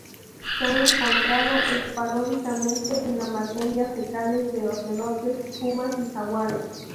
Se han encontrado esporádicamente en la materia fecal de ocelotes, pumas y jaguares.